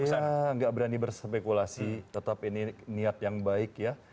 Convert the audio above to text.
saya nggak berani berspekulasi tetap ini niat yang baik ya